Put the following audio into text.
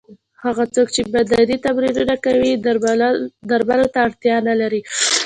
هغه څوک چې بدني تمرینونه کوي درملو ته اړتیا نه لري.